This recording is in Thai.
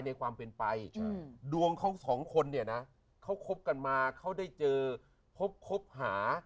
ในความเป็นไปดวงเขาสองคนเนี่ยนะเขาคบกันมาเขาได้เจอพบคบหา